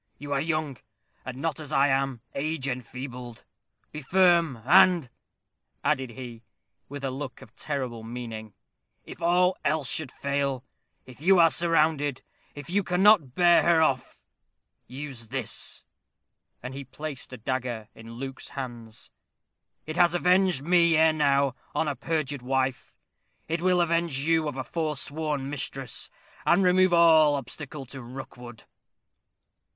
You are young, and not as I am, age enfeebled. Be firm, and," added he, with a look of terrible meaning, "if all else should fail if you are surrounded if you cannot bear her off use this," and he placed a dagger in Luke's hands. "It has avenged me, ere now, on a perjured wife, it will avenge you of a forsworn mistress, and remove all obstacle to Rookwood."